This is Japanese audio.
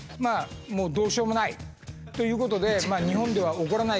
もうどうしようもないということで。